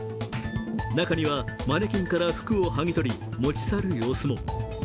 中にはマネキンから服を剥ぎ取り、持ち去る様子も。